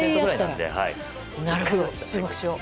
なるほど、注目しよう。